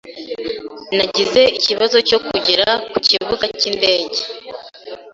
Nagize ikibazo cyo kugera ku kibuga cyindege.